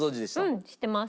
うん知ってます。